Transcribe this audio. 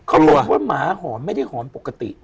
เขาบอกว่าหมาหอนไม่ได้หอมปกติ